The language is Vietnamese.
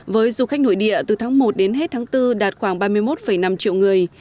với du khách nội địa từ tháng một đến hết tháng bốn đạt khoảng ba mươi một năm triệu người